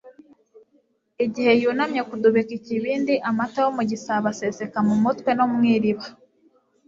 igihe yunamye kudubika ikibindi, amata yo mu gisabo aseseka mu mutwe no mu iriba